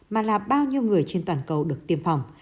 mà là bao nhiêu người trên toàn cầu được tiêm phòng